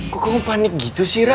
kok kamu panik gitu sih ra